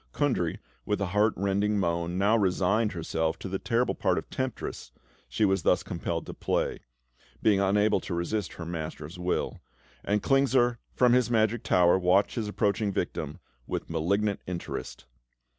Kundry, with a heart rending moan, now resigned herself to the terrible part of temptress she was thus compelled to play, being unable to resist her master's will; and Klingsor, from his magic tower, watched his approaching victim with malignant interest.